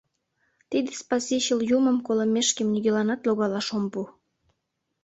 Тиде спасичыл юмым колымешкем нигӧланат логалаш ом пу.